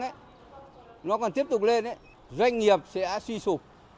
nếu mà chúng tôi không hạ giá xăng nó còn tiếp tục lên doanh nghiệp sẽ suy sụp